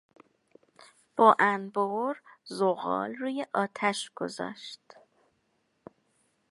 با انبر زغال روی آتش گذاشت.